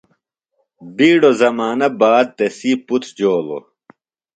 بِیڈو زمانہ باد تسی پُتر جولوۡ۔